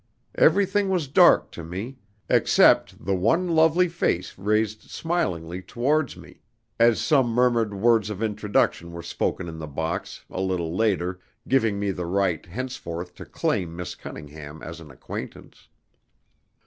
Everything was dark to me, except the one lovely face raised smilingly towards mine, as some murmured words of introduction were spoken in the box, a little later, giving me the right henceforth to claim Miss Cunningham as an acquaintance.